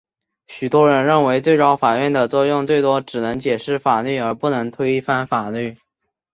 许多人认为最高法院的作用最多只能解释法律而不能推翻法律。